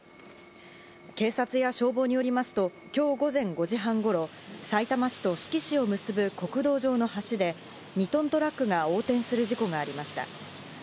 警察や消防によりますと今日午前５時半頃、さいたま市と志木市を結ぶ国道上の橋で、２トントラックが横転する事故がありました。